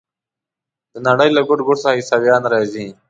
د نړۍ له ګوټ ګوټ څخه عیسویان راځي.